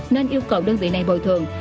nên yêu cầu đơn vị này bồi thường